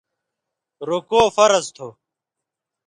رُکوع فرض تھو۔